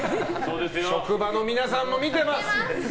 職場の皆さんも見てます！